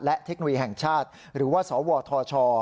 และเทคโนโลยีแห่งชาติหรือว่าสวทช